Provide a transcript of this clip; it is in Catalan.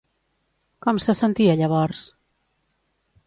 Com se sentia llavors?